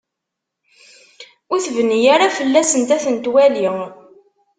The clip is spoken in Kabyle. Ur tebni ara fell-asent ad tent-twali.